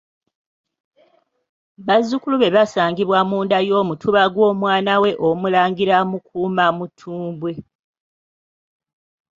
Bazzukulu be basangibwa mu nda y'Omutuba gw'omwana we Omulangira Mukuma Matumbwe.